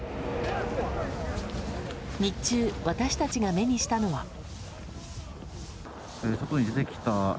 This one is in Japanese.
日中、私たちが目にしたのは。